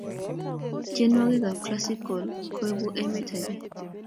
tienwokik ap classical koibwa emet ake